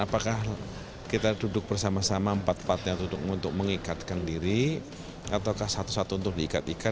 apakah kita duduk bersama sama empat empat yang duduk untuk mengikatkan diri ataukah satu satu untuk diikat ikat